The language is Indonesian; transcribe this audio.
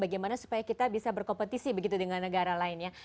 bagaimana supaya kita bisa berkompetisi begitu dengan negara lainnya